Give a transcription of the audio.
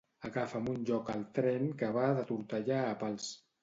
Agafa'm un lloc al tren que va de Tortellà a Pals.